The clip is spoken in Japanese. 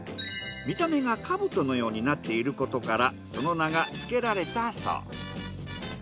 見た目が兜のようになっていることからその名がつけられたそう。